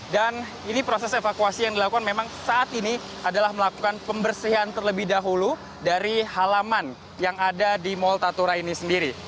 dan ini proses evakuasi yang dilakukan memang saat ini adalah melakukan pembersihan terlebih dahulu dari halaman yang ada di mall tatura ini sendiri